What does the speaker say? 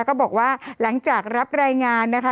ก็บอกว่าหลังจากรับรายงานนะคะ